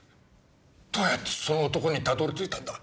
どうやってその男にたどりついたんだ？